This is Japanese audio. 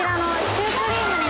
シュークリームだ。